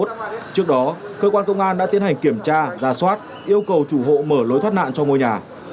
trước đó cơ quan công an đã tiến hành kiểm tra ra soát yêu cầu chủ hộ mở lối thoát nạn cho ngôi nhà